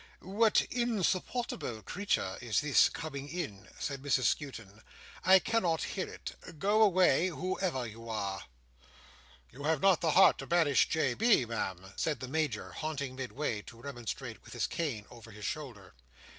"What insupportable creature is this, coming in?" said Mrs Skewton, "I cannot hear it. Go away, whoever you are!" "You have not the heart to banish J. B., Ma'am!" said the Major halting midway, to remonstrate, with his cane over his shoulder.